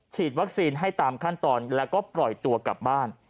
ฉีดวัคซีนให้ตามขั้นตอนแล้วก็ปล่อยตัวกลับบ้าน